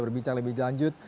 berbicara lebih lanjut